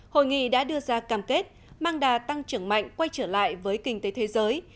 hội nghị đã đưa ra cam kết mang đà tăng trưởng mạnh quay trở lại với kinh tế thế giới